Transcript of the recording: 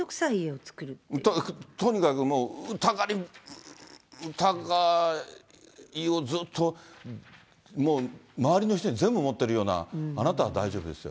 とにかくもう、をもう周りの人に全部持ってるような、あなたは大丈夫ですよ。